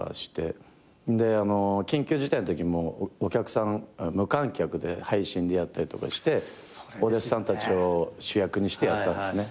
であの緊急事態のときもお客さん無観客で配信でやったりとかしてお弟子さんたちを主役にしてやったんですね。